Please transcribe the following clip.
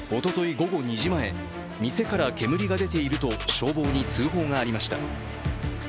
午後２時前店から煙が出ていると消防に通報がありました。